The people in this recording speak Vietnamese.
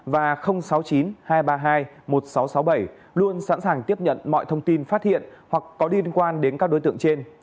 và sáu mươi chín hai trăm ba mươi hai một nghìn sáu trăm sáu mươi bảy luôn sẵn sàng tiếp nhận mọi thông tin phát hiện hoặc có liên quan đến các đối tượng trên